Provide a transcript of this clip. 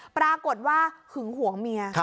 ปรากฏว่าหึงหวงเมีย